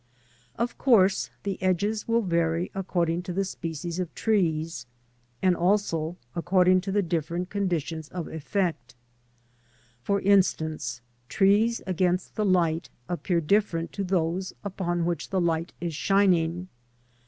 Of course, the edges will vary according to^HEIie speciFs^'of^trees, and also according to the different conditions of effect. For instance, trees against the light appear different to those upon which the light is shining.